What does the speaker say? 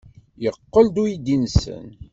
Yeqqel-d uydi-nsen.